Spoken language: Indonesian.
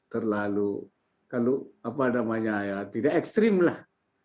terlalu kalau apa namanya ya tidak ekstrim lah